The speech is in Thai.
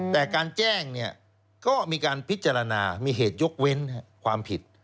แต่การแจ้งเนี่ยก็มีการพิจารณามีเหตุยกเว้นความผิด